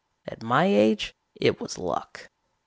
At my age it was luck.